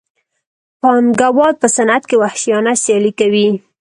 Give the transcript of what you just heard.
پانګوال په صنعت کې وحشیانه سیالي کوي